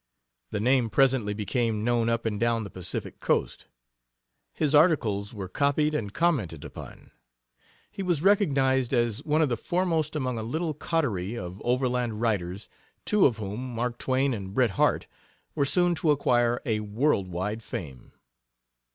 The name presently became known up and down the Pacific coast. His articles were, copied and commented upon. He was recognized as one of the foremost among a little coterie of overland writers, two of whom, Mark Twain and Bret Harte, were soon to acquire a world wide fame.